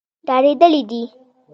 ډارېدلي دي.